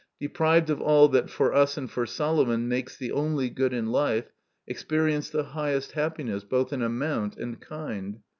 depiived of all that for us and for Solomon makes the only good in life, experience the highest happiness both in amount and kind.